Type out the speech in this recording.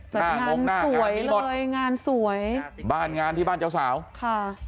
จัดงานสวยเลยงานสวยบ้านงานที่บ้านเจ้าสาวค่ะ